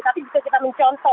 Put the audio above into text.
tapi bisa kita mencontoh